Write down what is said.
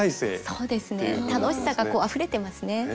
そうですね楽しさがあふれてますね。